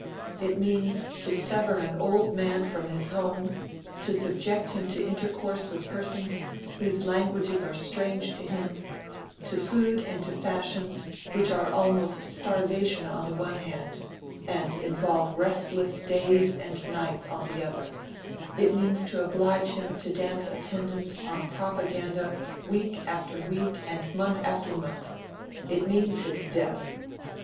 It means to sever an old man from his home, to subject him to intercourse with persons whose languages are strange to him to food and to fashions which are almost starvation on the one hand, and involve restless days and nights on the other it means to oblige him to dance attendance on Propaganda week after week and month after month it means his death.